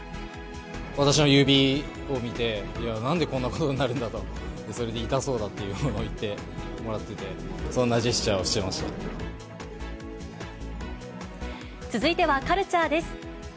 私の指を見て、いや、なんでこんなことになるんだと、それで痛そうだっていうのを言ってもらってて、そんなジェスチャ続いてはカルチャーです。